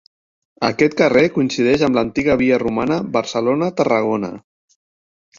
Aquest carrer coincideix amb l'antiga via romana Barcelona-Tarragona.